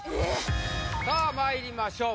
さあまいりましょう